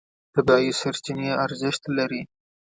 طبیعي سرچینې ارزښت لري.